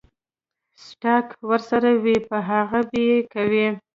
سټاک ورسره وي پۀ هغې به يې کوي ـ